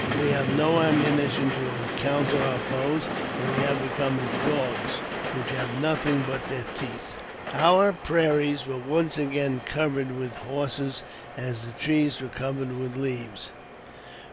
We have no ammunition to encounter our foes, and we have be come as dogs, which have nothing but their teeth. " Our prairies were once covered with horses as the trees are covered with leaves.